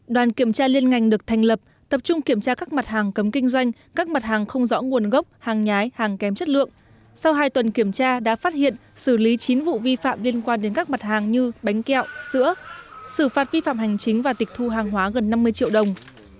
đoàn kiểm tra liên ngành được thành lập tập trung kiểm tra các mặt hàng cấm kinh doanh các mặt hàng không rõ nguồn gốc hàng nhái hàng kém chất lượng sau hai tuần kiểm tra đã phát hiện xử lý chín vụ vi phạm liên quan đến các mặt hàng như bánh kẹo sữa xử phạt vi phạm hành chính và tịch thu hàng hóa gần năm mươi triệu đồng